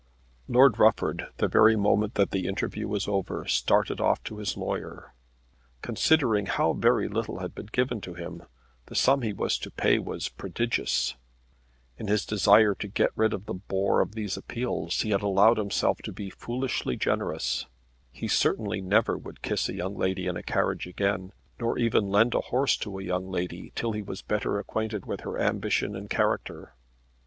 Lord Rufford, the very moment that the interview was over, started off to his lawyer. Considering how very little had been given to him the sum he was to pay was prodigious. In his desire to get rid of the bore of these appeals, he had allowed himself to be foolishly generous. He certainly never would kiss a young lady in a carriage again, nor even lend a horse to a young lady till he was better acquainted with her ambition and character.